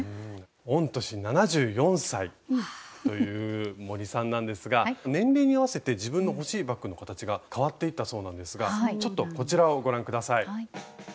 御年７４歳という森さんなんですが年齢に合わせて自分の欲しいバッグの形が変わっていったそうなんですがちょっとこちらをご覧下さい。